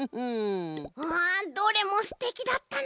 ああどれもすてきだったね。